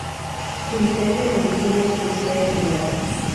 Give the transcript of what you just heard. Se licencia en Medicina y Cirugía Gral.